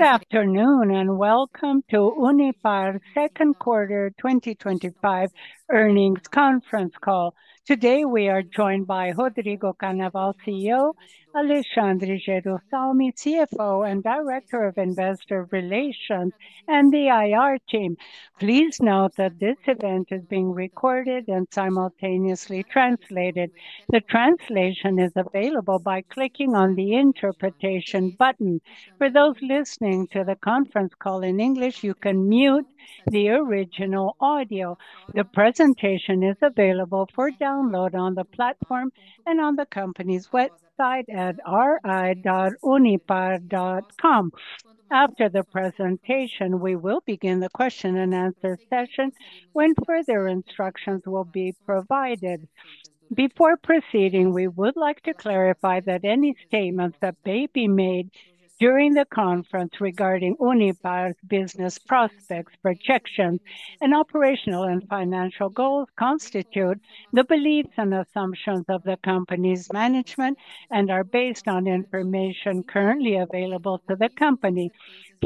Good afternoon and welcome to Unipar's Second Quarter 2025 Earnings Conference Call. Today we are joined by Rodrigo Carnaval, CEO, Alexandre Gerusalmi, CFO and Director of Investor Relations, and the IR team. Please note that this event is being recorded and simultaneously translated. The translation is available by clicking on the interpretation button. For those listening to the conference call in English, you can mute the original audio. The presentation is available for download on the platform and on the company's website at ri.unipar.com. After the presentation, we will begin the question and answer session when further instructions will be provided. Before proceeding, we would like to clarify that any statements that may be made during the conference regarding Unipar's business prospects, projections, and operational and financial goals constitute the beliefs and assumptions of the company's management and are based on information currently available to the company.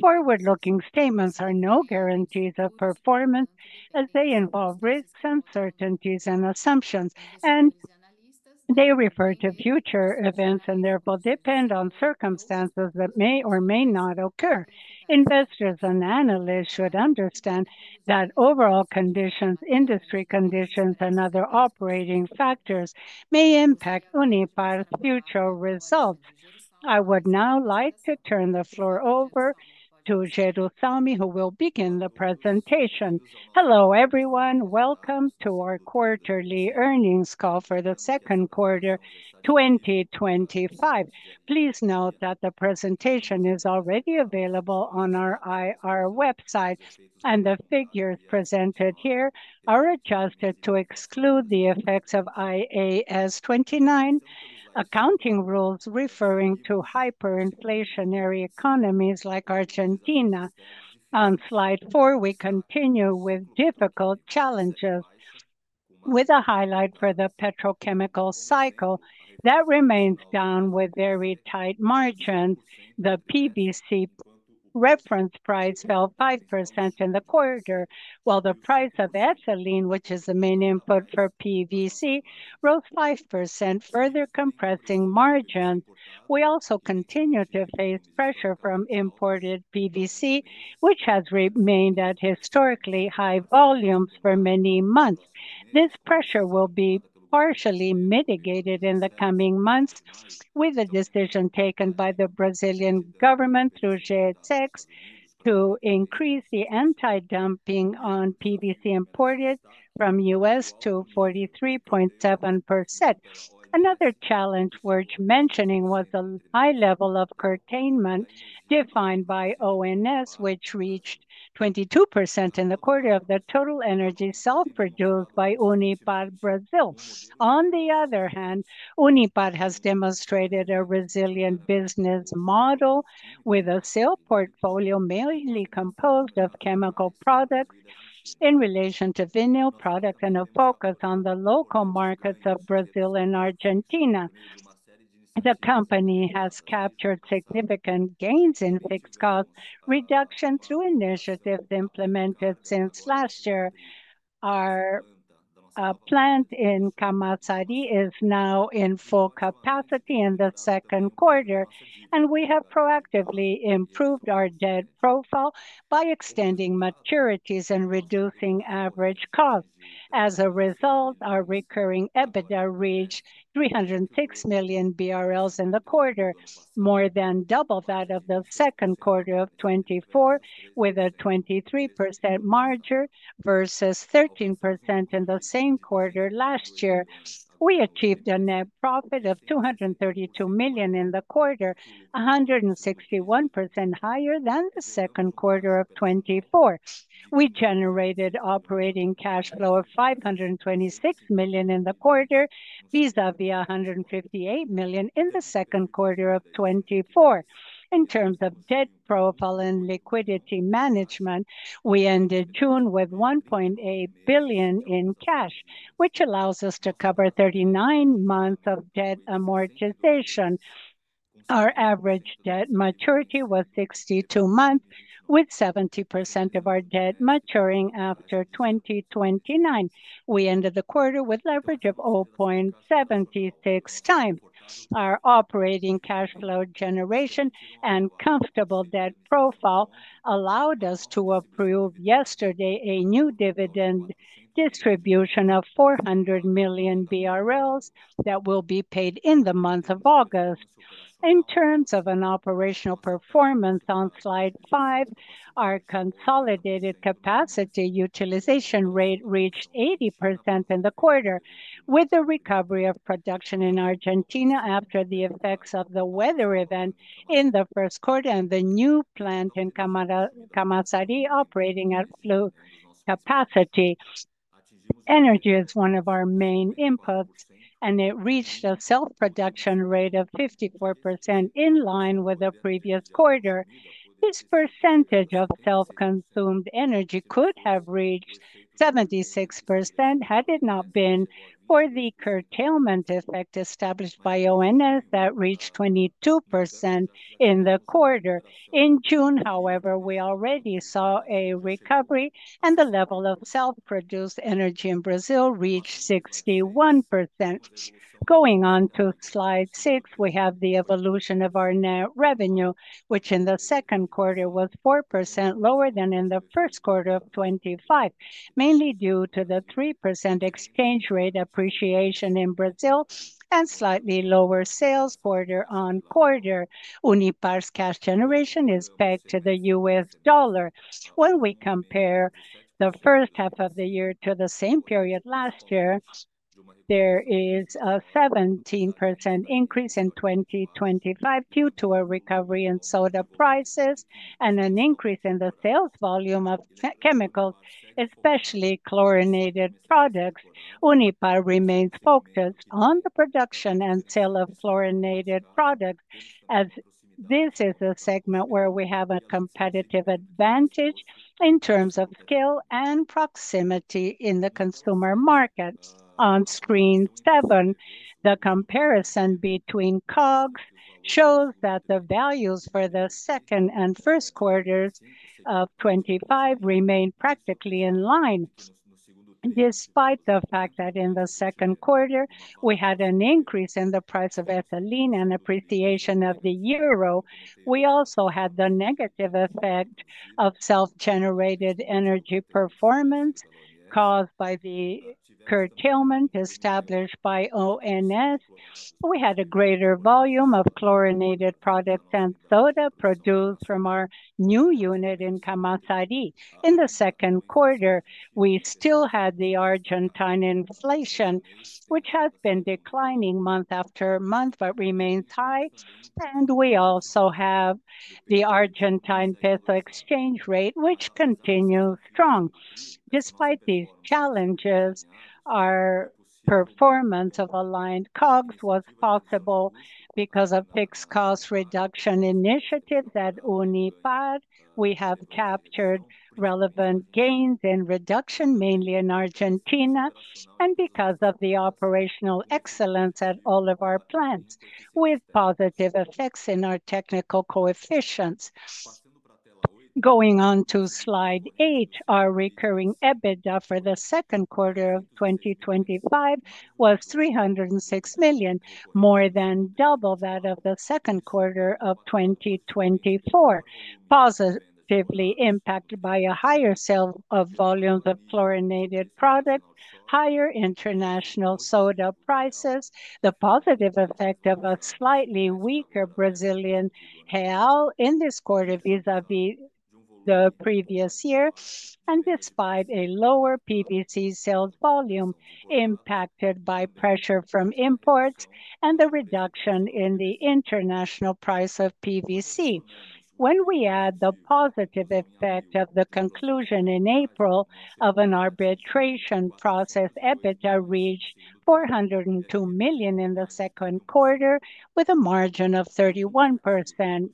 Forward-looking statements are no guarantees of performance as they involve risks, uncertainties, and assumptions, and they refer to future events and therefore depend on circumstances that may or may not occur. Investors and analysts should understand that overall conditions, industry conditions, and other operating factors may impact Unipar's future results. I would now like to turn the floor over to Gerusalmi, who will begin the presentation. Hello, everyone. Welcome to our quarterly earnings call for the second quarter 2025. Please note that the presentation is already available on our IR website, and the figures presented here are adjusted to exclude the effects of IAS 29 accounting rules referring to hyperinflationary economies like Argentina. On slide 4, we continue with difficult challenges, with a highlight for the petrochemical cycle that remains down with very tight margins. The PVC reference price fell 5% in the quarter, while the price of ethylene, which is the main input for PVC, rose 5%, further compressing margins. We also continue to face pressure from imported PVC, which has remained at historically high volumes for many months. This pressure will be partially mitigated in the coming months with a decision taken by the Brazilian government through Camex to increase the anti-dumping on PVC imported from the U.S. to 43.7%. Another challenge worth mentioning was the high level of curtailment defined by ONS, which reached 22% in the quarter of the total energy cell produced by Unipar Brazil. On the other hand, Unipar has demonstrated a resilient business model with a sale portfolio mainly composed of chemical products in relation to vinyl products and a focus on the local markets of Brazil and Argentina. The company has captured significant gains in fixed cost reduction through initiatives implemented since last year. Our plant in Camaçari is now in full capacity in the second quarter, and we have proactively improved our debt profile by extending maturities and reducing average costs. As a result, our recurring EBITDA reached 306 million BRL in the quarter, more than double that of the second quarter of 2024, with a 23% margin versus 13% in the same quarter last year. We achieved a net profit of 232 million in the quarter, 161% higher than the second quarter of 2024. We generated operating cash flow of 526 million in the quarter, vis-à-vis 158 million in the second quarter of 2024. In terms of debt profile and liquidity management, we ended June with 1.8 billion in cash, which allows us to cover 39 months of debt amortization. Our average debt maturity was 62 months, with 70% of our debt maturing after 2029. We ended the quarter with an average of 0.76 times. Our operating cash flow generation and comfortable debt profile allowed us to approve yesterday a new dividend distribution of 400 million BRL that will be paid in the month of August. In terms of operational performance, on slide 5, our consolidated capacity utilization rate reached 80% in the quarter, with a recovery of production in Argentina after the effects of the weather event in the first quarter and the new plant in Camaçari operating at full capacity. Energy is one of our main inputs, and it reached a cell production rate of 54% in line with the previous quarter. This percentage of self-consumed energy could have reached 76% had it not been for the curtailment effect established by ONS that reached 22% in the quarter. In June, however, we already saw a recovery, and the level of self-produced energy in Brazil reached 61%. Going on to slide 6, we have the evolution of our net revenue, which in the second quarter was 4% lower than in the first quarter of 2025, mainly due to the 3% exchange rate appreciation in Brazil and slightly lower sales quarter on quarter. Unipar's cash generation is pegged to the U.S. dollar. When we compare the first half of the year to the same period last year, there is a 17% increase in 2025 due to a recovery in soda prices and an increase in the sales volume of chemicals, especially chlorinated products. Unipar remains focused on the production and sale of chlorinated products, as this is a segment where we have a competitive advantage in terms of scale and proximity in the consumer markets. On screen seven, the comparison between COGS shows that the values for the second and first quarters of 2025 remain practically in line. Despite the fact that in the second quarter we had an increase in the price of ethylene and appreciation of the euro, we also had the negative effect of self-generated energy performance caused by the curtailment established by ONS. We had a greater volume of chlorinated products and soda produced from our new unit in Camaçari. In the second quarter, we still had the Argentine inflation, which has been declining month after month but remains high, and we also have the Argentine peso exchange rate, which continues strong. Despite these challenges, our performance of aligned COGS was possible because of fixed cost reduction initiatives at Unipar. We have captured relevant gains in reduction, mainly in Argentina, and because of the operational excellence at all of our plants, with positive effects in our technical coefficients. Going on to slide eight, our recurring EBITDA for the second quarter of 2025 was 306 million, more than double that of the second quarter of 2024, positively impacted by a higher sale of volumes of chlorinated products, higher international soda prices, the positive effect of a slightly weaker Brazilian real in this quarter vis-à-vis the previous year, and despite a lower PVC sales volume impacted by pressure from imports and the reduction in the international price of PVC. When we add the positive effect of the conclusion in April of an arbitration process, EBITDA reached 402 million in the second quarter, with a margin of 31%.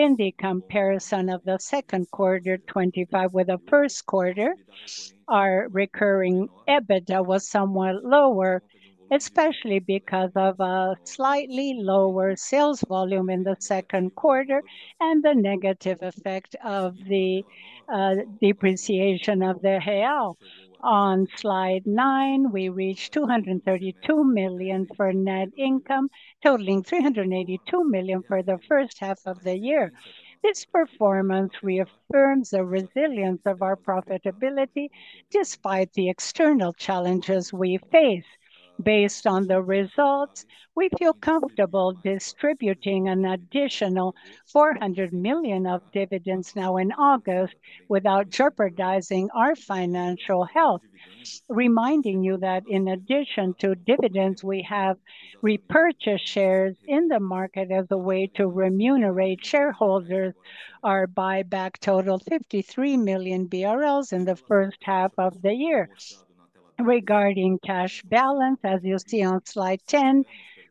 In the comparison of the second quarter 2025 with the first quarter, our recurring EBITDA was somewhat lower, especially because of a slightly lower sales volume in the second quarter and the negative effect of the depreciation of the real. On slide nine, we reached 232 million for net income, totaling 382 million for the first half of the year. This performance reaffirms the resilience of our profitability despite the external challenges we face. Based on the results, we feel comfortable distributing an additional 400 million of dividends now in August without jeopardizing our financial health. Reminding you that in addition to dividends, we have repurchased shares in the market as a way to remunerate shareholders. Our buyback totaled 53 million BRL in the first half of the year. Regarding cash balance, as you see on slide 10,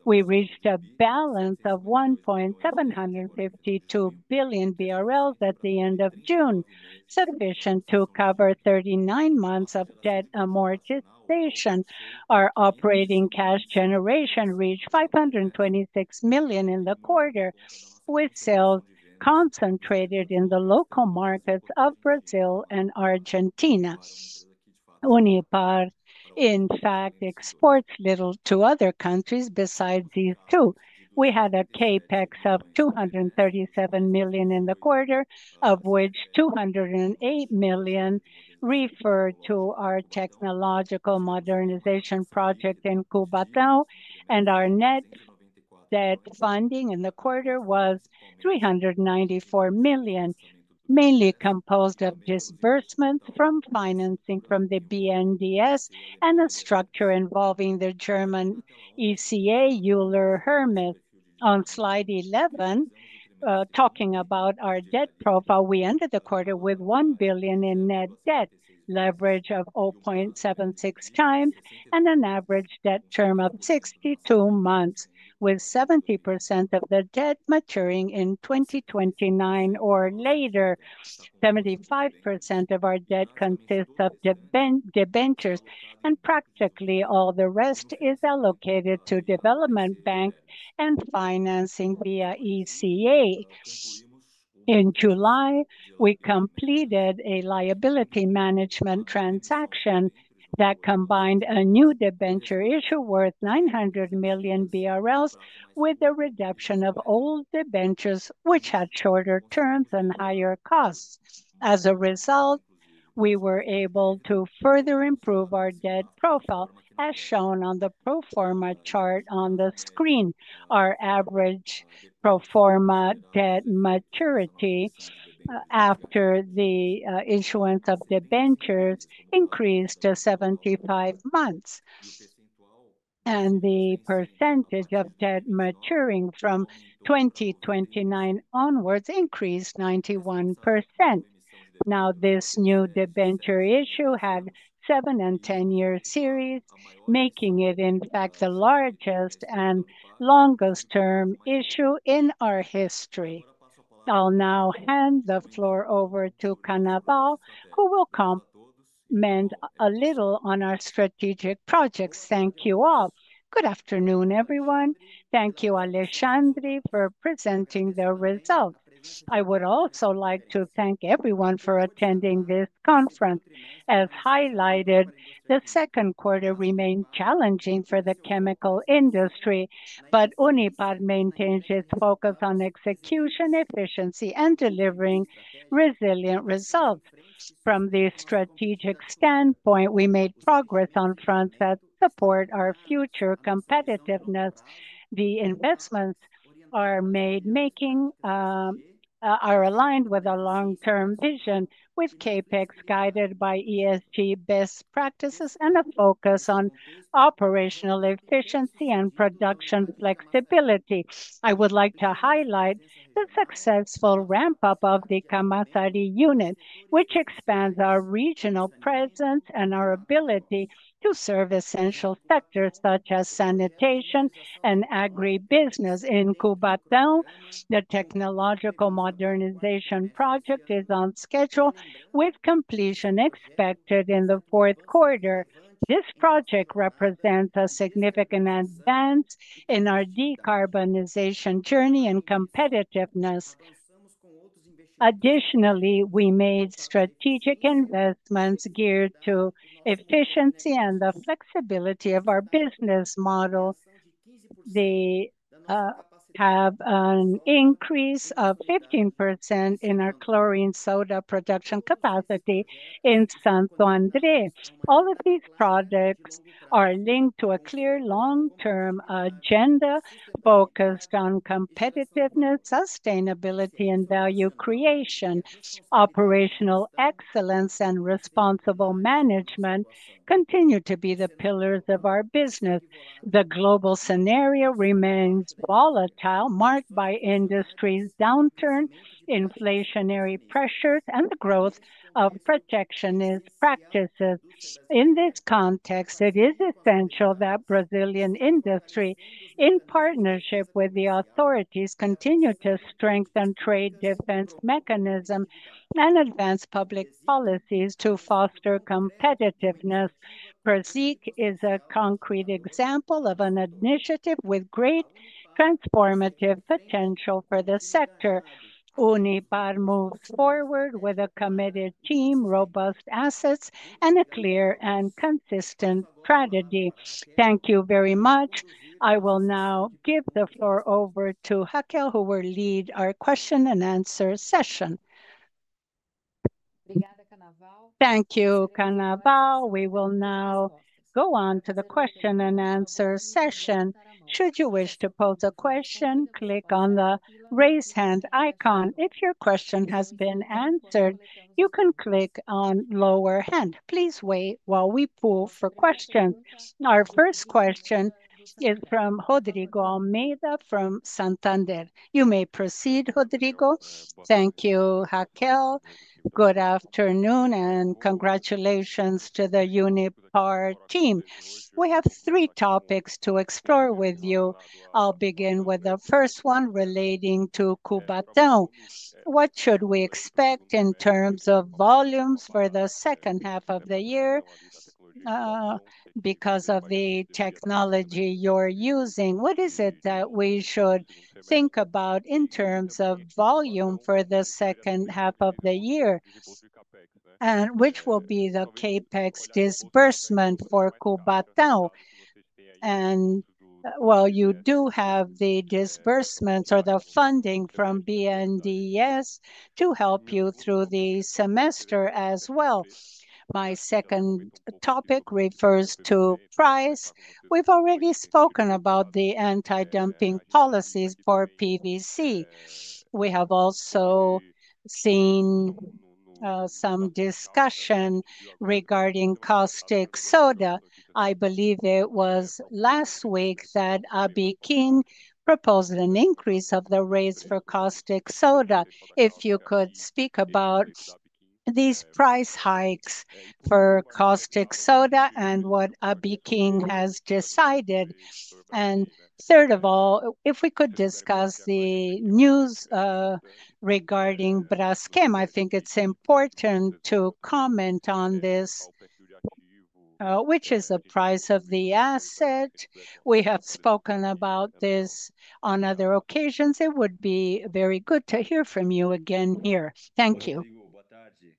we reached a balance of 1.752 billion BRL at the end of June, sufficient to cover 39 months of debt amortization. Our operating cash generation reached 526 million in the quarter, with sales concentrated in the local markets of Brazil and Argentina. Unipar, in fact, exports little to other countries besides these two. We had a CapEx of 237 million in the quarter, of which 208 million referred to our technological modernization project in Cubatão, and our net debt funding in the quarter was 394 million, mainly composed of disbursements from financing from the BNDES and a structure involving the German ECA, Euler Hermes. On slide 11, talking about our debt profile, we ended the quarter with 1 billion in net debt, leverage of 0.76x, and an average debt term of 62 months, with 70% of the debt maturing in 2029 or later. 75% of our debt consists of debentures, and practically all the rest is allocated to development banks and financing via ECA. In July, we completed a liability management transaction that combined a new debenture issue worth 900 million BRL with a redemption of old debentures, which had shorter terms and higher costs. As a result, we were able to further improve our debt profile, as shown on the pro forma chart on the screen. Our average pro forma debt maturity after the issuance of debentures increased to 75 months, and the percentage of debt maturing from 2029 onwards increased to 91%. Now, this new debenture issue had seven and ten-year series, making it, in fact, the largest and longest-term issue in our history. I'll now hand the floor over to Carnaval, who will comment a little on our strategic projects. Thank you all. Good afternoon, everyone. Thank you, Alexandre, for presenting the results. I would also like to thank everyone for attending this conference. As highlighted, the second quarter remained challenging for the chemical industry, but Unipar maintains its focus on execution efficiency and delivering resilient results. From the strategic standpoint, we made progress on fronts that support our future competitiveness. The investments are aligned with a long-term vision, with CapEx guided by ESG best practices and a focus on operational efficiency and production flexibility. I would like to highlight the successful ramp-up of the Camaçari unit, which expands our regional presence and our ability to serve essential sectors such as sanitation and agribusiness. In Cubatão, the technological modernization project is on schedule, with completion expected in the fourth quarter. This project represents a significant advance in our decarbonization journey and competitiveness. Additionally, we made strategic investments geared to efficiency and the flexibility of our business model. We have an increase of 15% in our chlorine soda production capacity in Santo André. All of these projects are linked to a clear long-term agenda focused on competitiveness, sustainability, and value creation. Operational excellence and responsible management continue to be the pillars of our business. The global scenario remains volatile, marked by industry downturn, inflationary pressures, and the growth of protectionist practices. In this context, it is essential that Brazilian industry, in partnership with the authorities, continue to strengthen trade defense mechanisms and advance public policies to foster competitiveness. BRASIC is a concrete example of an initiative with great transformative potential for the sector. Unipar moves forward with a committed team, robust assets, and a clear and consistent strategy. Thank you very much. I will now give the floor over to Raquel, who will lead our question and answer session. Thank you, Carnaval. We will now go on to the question and answer session. Should you wish to pose a question, click on the raise hand icon. If your question has been answered, you can click on lower hand. Please wait while we pull for questions. Our first question is from Rodrigo Almeida from Santander. You may proceed, Rodrigo. Thank you, Raquel. Good afternoon and congratulations to the Unipar team. We have three topics to explore with you. I'll begin with the first one relating to Cubatão. What should we expect in terms of volumes for the second half of the year? Because of the technology you're using, what is it that we should think about in terms of volume for the second half of the year? Which will be the CapEx disbursement for Cubatão? While you do have the disbursements or the funding from BNDES to help you through the semester as well. My second topic refers to price. We've already spoken about the anti-dumping policies for PVC. We have also seen some discussion regarding caustic soda. I believe it was last week that Camex proposed an increase of the rates for caustic soda. If you could speak about these price hikes for caustic soda and what Camex has decided. Third of all, if we could discuss the news regarding Braskem, I think it's important to comment on this, which is the price of the asset. We have spoken about this on other occasions. It would be very good to hear from you again here. Thank you.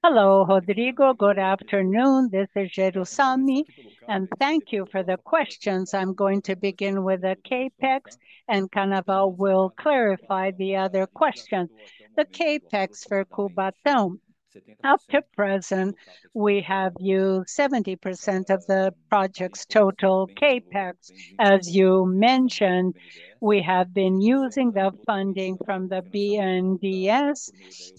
Hello, Rodrigo. Good afternoon. This is Gerusalmi, and thank you for the questions. I'm going to begin with the CapEx, and Carnaval will clarify the other questions. The CapEx for Cubatão, up to present, we have used 70% of the project's total CapEx. As you mentioned, we have been using the funding from the BNDES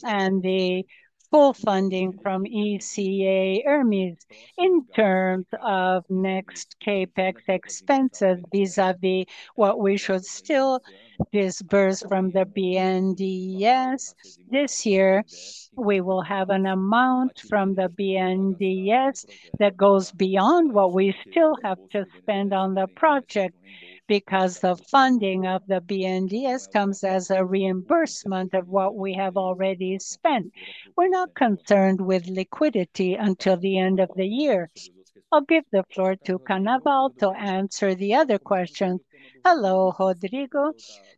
and the full funding from ECA Hermes. In terms of next CapEx expenses vis-à-vis what we should still disburse from the BNDES this year, we will have an amount from the BNDES that goes beyond what we still have to spend on the project because the funding of the BNDES comes as a reimbursement of what we have already spent. We're not concerned with liquidity until the end of the year. I'll give the floor to Carnaval to answer the other questions. Hello, Rodrigo.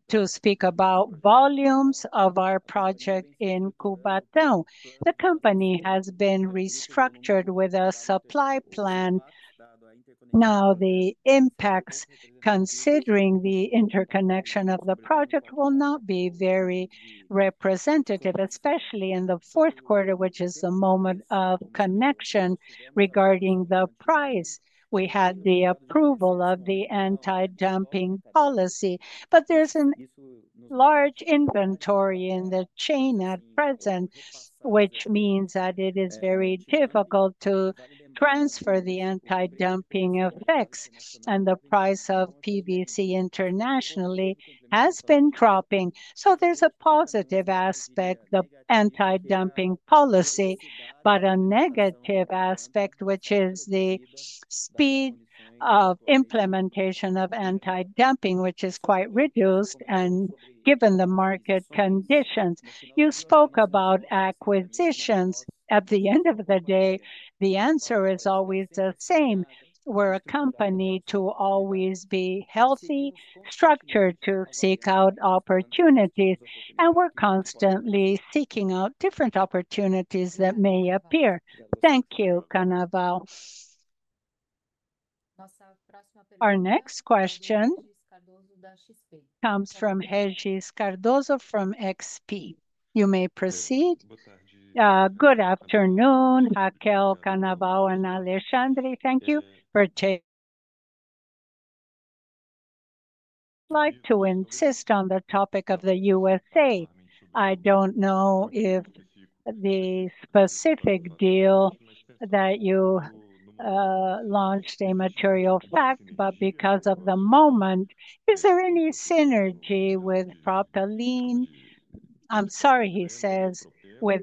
To speak about volumes of our project in Cubatão, the company has been restructured with a supply plan. Now, the impacts considering the interconnection of the project will not be very representative, especially in the fourth quarter, which is the moment of connection regarding the price. We had the approval of the anti-dumping policy, but there's a large inventory in the chain at present, which means that it is very difficult to transfer the anti-dumping effects, and the price of PVC internationally has been dropping. There is a positive aspect, the anti-dumping policy, but a negative aspect, which is the speed of implementation of anti-dumping, which is quite reduced and given the market conditions. You spoke about acquisitions. At the end of the day, the answer is always the same. We're a company to always be healthy, structured to seek out opportunities, and we're constantly seeking out different opportunities that may appear. Thank you, Carnaval. Our next question comes from Regis Cardoso from XP. You may proceed. Good afternoon, Raquel, Carnaval, and Alexandre. Thank you for taking the time to insist on the topic of the USA. I don't know if the specific deal that you launched a material fact, but because of the moment, is there any synergy with Propeline? I'm sorry, he says, with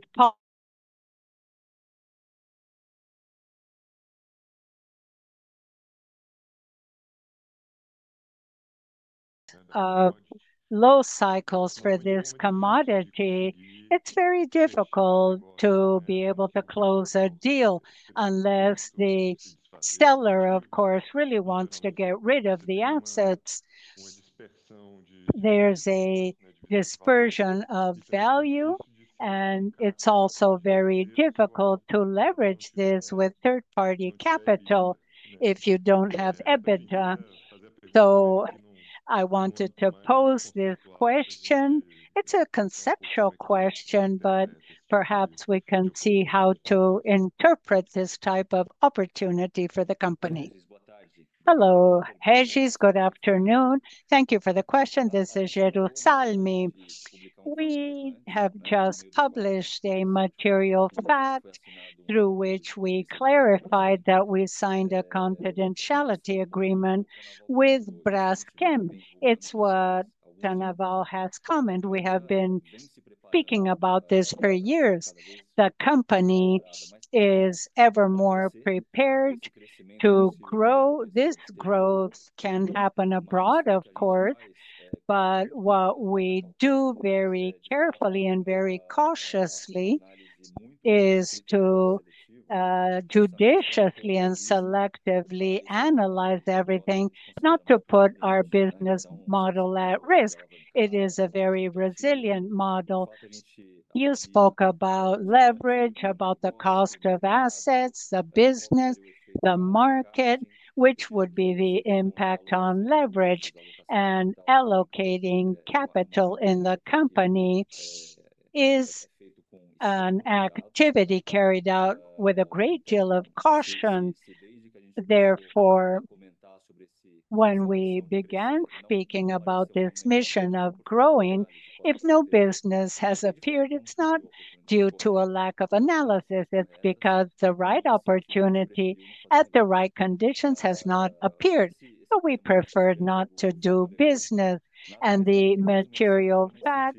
low cycles for this commodity, it's very difficult to be able to close a deal unless the seller, of course, really wants to get rid of the assets. There's a dispersion of value, and it's also very difficult to leverage this with third-party capital if you don't have EBITDA. I wanted to pose this question. It's a conceptual question, but perhaps we can see how to interpret this type of opportunity for the company. Hello, Regis. Good afternoon. Thank you for the question. This is Gerusalmi. We have just published a material fact through which we clarified that we signed a confidentiality agreement with Braskem. It's what Carnaval has commented. We have been speaking about this for years. The company is ever more prepared to grow. This growth can happen abroad, of course, but what we do very carefully and very cautiously is to judiciously and selectively analyze everything, not to put our business model at risk. It is a very resilient model. You spoke about leverage, about the cost of assets, the business, the market, which would be the impact on leverage, and allocating capital in the company is an activity carried out with a great deal of caution. Therefore, when we began speaking about this mission of growing, if no business has appeared, it's not due to a lack of analysis. It's because the right opportunity at the right conditions has not appeared. We prefer not to do business, and the material fact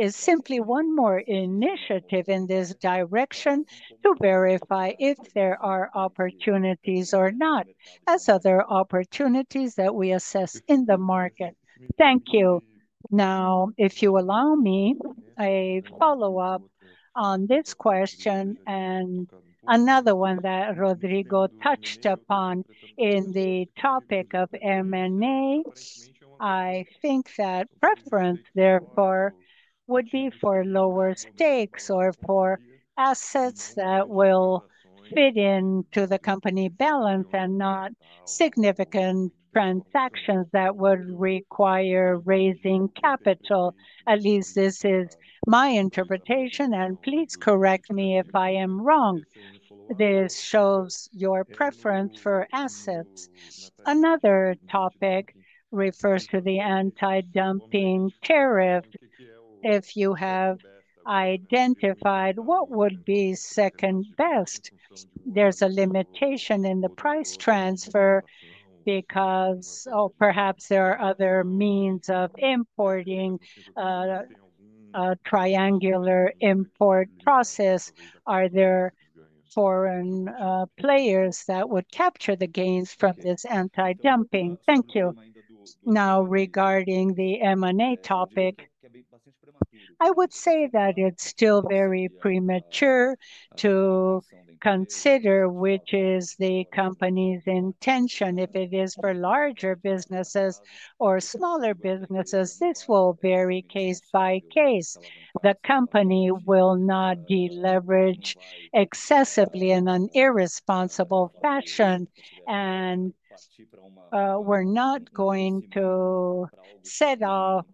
is simply one more initiative in this direction to verify if there are opportunities or not, as other opportunities that we assess in the market. Thank you. Now, if you allow me, a follow-up on this question and another one that Rodrigo touched upon in the topic of M&A. I think that preference, therefore, would be for lower stakes or for assets that will fit into the company balance and not significant transactions that would require raising capital. At least this is my interpretation, and please correct me if I am wrong. This shows your preference for assets. Another topic refers to the anti-dumping tariff. If you have identified what would be second best, there's a limitation in the price transfer because, or perhaps there are other means of importing, a triangular import process. Are there foreign players that would capture the gains from this anti-dumping? Thank you. Now, regarding the M&A topic, I would say that it's still very premature to consider which is the company's intention. If it is for larger businesses or smaller businesses, this will vary case by case. The company will not deleverage excessively in an irresponsible fashion, and we're not going to set off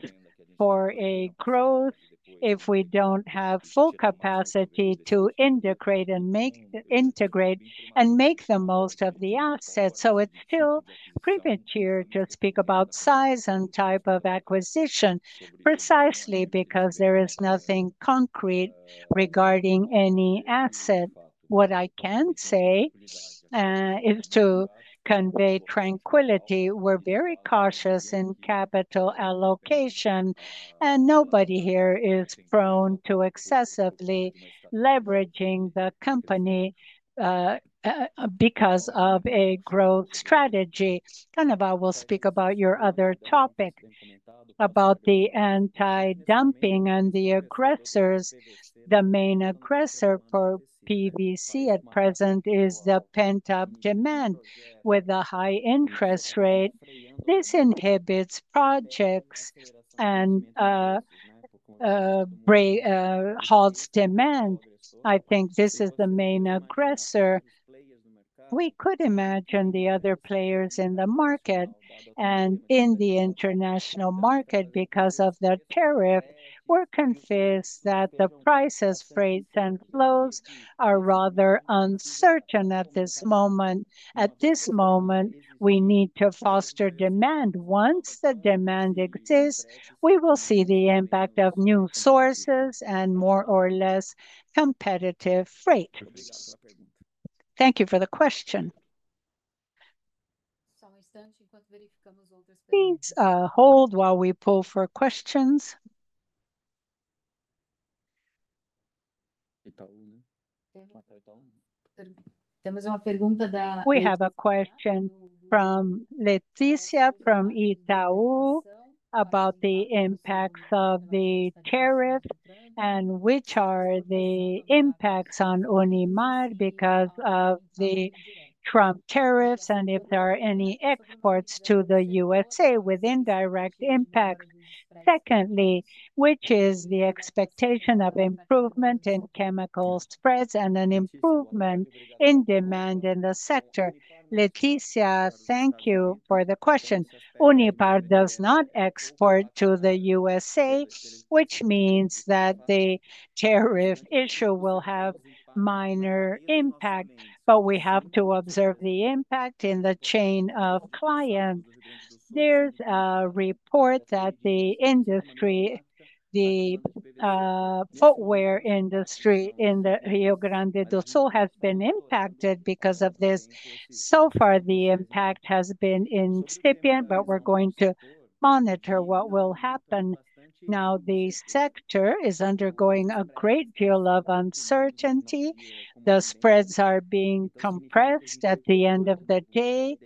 for a growth if we don't have full capacity to integrate and make the most of the assets. It's still premature to speak about size and type of acquisition precisely because there is nothing concrete regarding any asset. What I can say is to convey tranquility. We're very cautious in capital allocation, and nobody here is prone to excessively leveraging the company because of a growth strategy. Carnaval will speak about your other topic about the anti-dumping and the aggressors. The main aggressor for PVC at present is the pent-up demand with a high interest rate. This inhibits projects and halts demand. I think this is the main aggressor. We could imagine the other players in the market, and in the international market, because of the tariff, we're convinced that the prices, freight, and flows are rather uncertain at this moment. At this moment, we need to foster demand. Once the demand exists, we will see the impact of new sources and more or less competitive freight. Thank you for the question. Please hold while we pull for questions. We have a question from Leticia from Itaú about the impacts of the tariff and which are the impacts on Unipar because of the Trump tariffs and if there are any exports to the USA with indirect impacts. Secondly, which is the expectation of improvement in chemical spreads and an improvement in demand in the sector? Leticia, thank you for the question. Unipar does not export to the USA, which means that the tariff issue will have minor impact, but we have to observe the impact in the chain of clients. There's a report that the industry, the footwear industry in Rio Grande do Sul, has been impacted because of this. So far, the impact has been incipient, but we're going to monitor what will happen. Now, the sector is undergoing a great deal of uncertainty. The spreads are being compressed at the end of the day,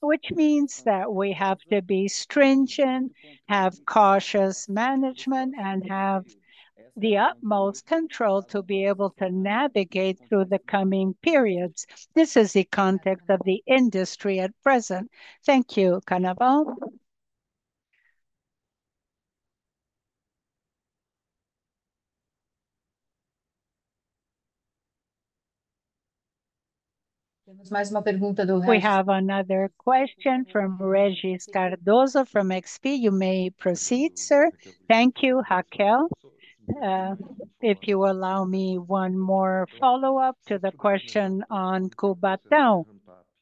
which means that we have to be stringent, have cautious management, and have the utmost control to be able to navigate through the coming periods. This is the context of the industry at present. Thank you, Carnaval. We have another question from Regis Cardoso from XP. You may proceed, sir. Thank you, Raquel. If you allow me one more follow-up to the question on Cubatão,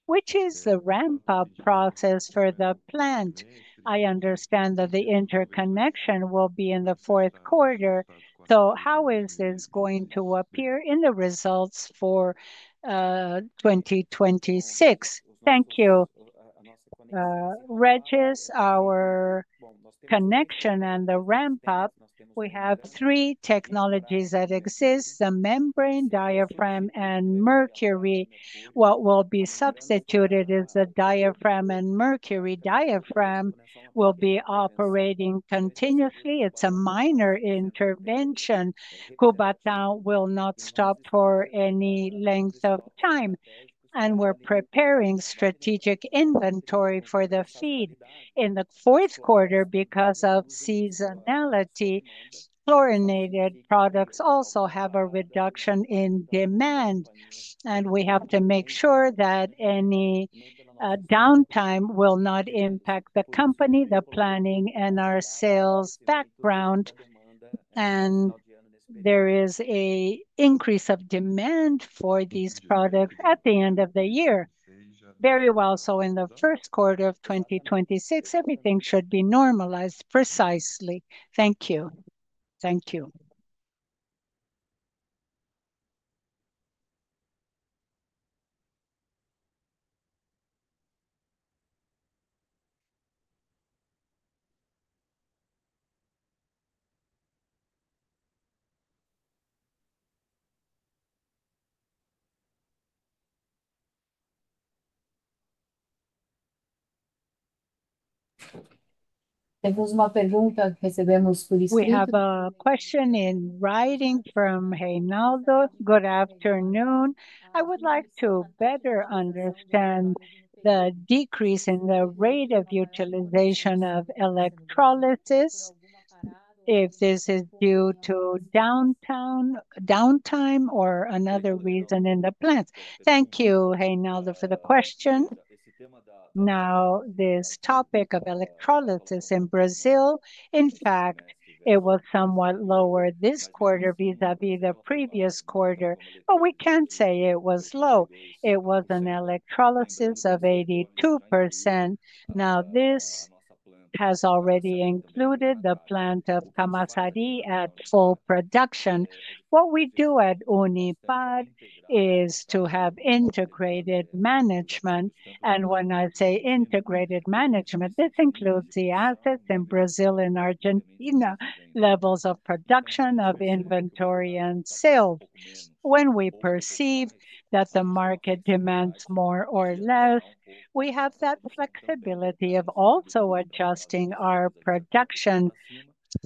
which is the ramp-up process for the plant. I understand that the interconnection will be in the fourth quarter. How is this going to appear in the results for 2026? Thank you. Regis, our connection and the ramp-up, we have three technologies that exist: the membrane, diaphragm, and mercury. What will be substituted is the diaphragm, and mercury diaphragm will be operating continuously. It's a minor intervention. Cubatão will not stop for any length of time, and we're preparing strategic inventory for the feed in the fourth quarter because of seasonality. Chlorinated products also have a reduction in demand, and we have to make sure that any downtime will not impact the company, the planning, and our sales background. There is an increase of demand for these products at the end of the year. In the first quarter of 2026, everything should be normalized precisely. Thank you. Thank you. We have a question in writing from Reinaldo. Good afternoon. I would like to better understand the decrease in the rate of utilization of electrolysis. If this is due to downtime or another reason in the plant. Thank you, Reinaldo, for the question. Now, this topic of electrolysis in Brazil, in fact, it was somewhat lower this quarter vis-à-vis the previous quarter, but we can't say it was low. It was an electrolysis of 82%. This has already included the plant of Camaçari at full production. What we do at Unipar is to have integrated management, and when I say integrated management, this includes the assets in Brazil and Argentina, levels of production of inventory and sales. When we perceive that the market demands more or less, we have that flexibility of also adjusting our production.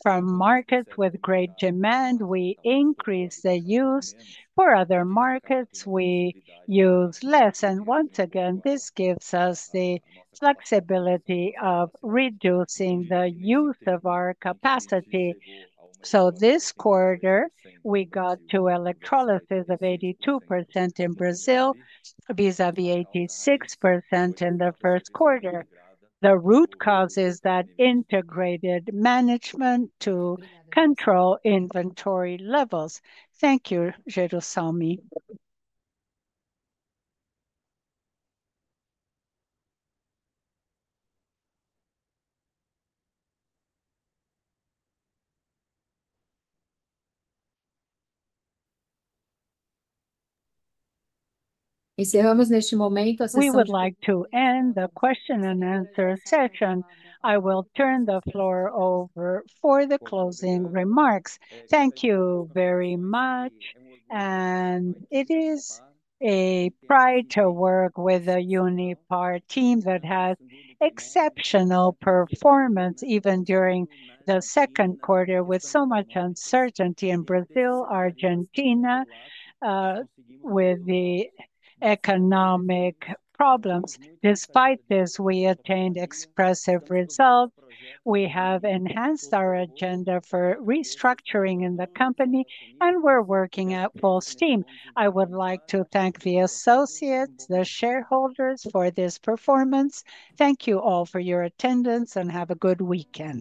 From markets with great demand, we increase the use; for other markets, we use less. This gives us the flexibility of reducing the use of our capacity. This quarter, we got to electrolysis of 82% in Brazil, vis-à-vis 86% in the first quarter. The root cause is that integrated management to control inventory levels. Thank you, Gerusalmi. We would like to end the question and answer session. I will turn the floor over for the closing remarks. Thank you very much. It is a pride to work with the Unipar team that has exceptional performance even during the second quarter with so much uncertainty in Brazil, Argentina, with the economic problems. Despite this, we attained expressive results. We have enhanced our agenda for restructuring in the company, and we're working at full steam. I would like to thank the associates, the shareholders for this performance. Thank you all for your attendance and have a good weekend.